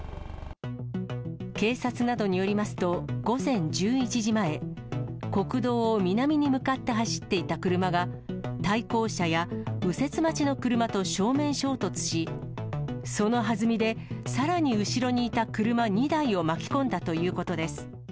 警察などによりますと、午前１１時前、国道を南に向かって走っていた車が、対向車や右折待ちの車と正面衝突し、そのはずみで、さらに後ろにいた車２台を巻き込んだということです。